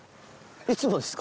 いつもですか？